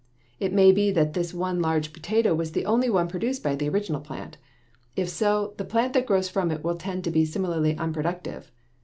_ It may be that this one large potato was the only one produced by the original plant. If so, the plant that grows from it will tend to be similarly unproductive.